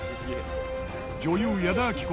女優矢田亜希子